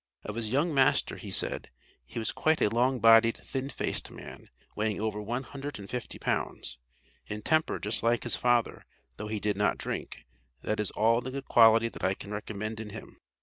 Of his young master he said: "He was quite a long bodied, thin faced man, weighing over one hundred and fifty pounds. In temper just like his father, though he did not drink that is all the good quality that I can recommend in him."